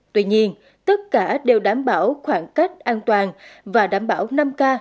tuy nhiên tất cả đều đảm bảo khoảng cách an toàn và đảm bảo năm k